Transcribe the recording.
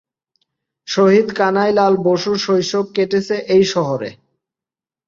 শহিদ কানাইলাল বসুর শৈশব কেটেছে এই শহরে।